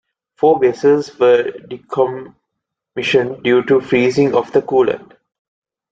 Four vessels were decommissioned due to freezing of the coolant.